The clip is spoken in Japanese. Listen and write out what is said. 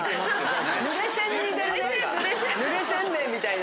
ぬれせんべいみたいな。